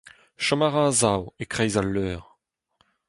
Chom a ra a-sav, e-kreiz al leur.